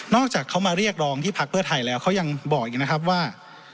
อกจากเขามาเรียกร้องที่พักเพื่อไทยแล้วเขายังบอกอีกนะครับว่า